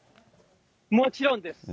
もちろんです。